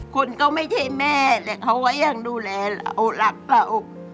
คนก็ไม่ใช่แม่แต่เขาก็ยังดูแลเรารักพระอก